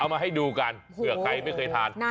มาให้ดูกันเผื่อใครไม่เคยทาน